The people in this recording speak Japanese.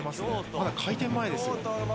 まだ開店前ですよ。